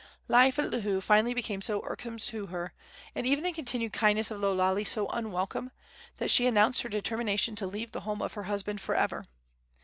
Life at Lihue finally became so irksome to her, and even the continued kindness of Lo Lale so unwelcome, that she announced her determination to leave the home of her husband for ever.